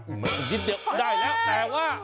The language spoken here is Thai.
อุ้ยได้แล้วแต่ว่า